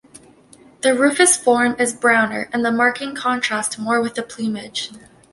The rufous form is browner and the marking contrast more with the plumage.